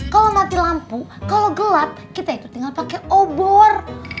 kalau mati lampu kalau gelap kita ikut tinggal pakai obor